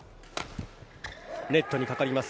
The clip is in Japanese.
ネットにかかります。